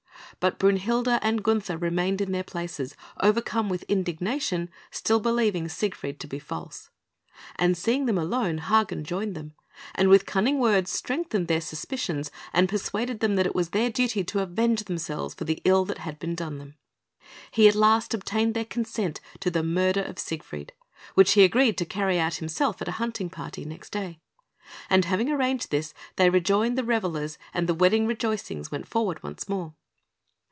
But Brünhilde and Gunther remained in their places, overcome with indignation, still believing Siegfried to be false; and seeing them alone, Hagen joined them, and with cunning words strengthened their suspicions and persuaded them that it was their duty to avenge themselves for the ill that had been done them. He at last obtained their consent to the murder of Siegfried, which he agreed to carry out himself at a hunting party next day; and having arranged this, they rejoined the revellers, and the wedding rejoicings went forward once more.